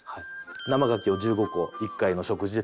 生牡蠣を１５個１回の食事で食べた。